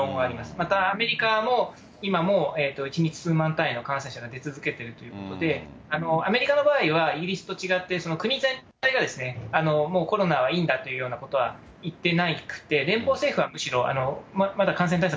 またアメリカも、今も１日数万単位の感染者が出続けてるってことで、アメリカの場合はイギリスと違って、国全体がですね、もうコロナはいいんだっていうようなことは言ってなくて、連邦政府は、むしろ、まだ感染対策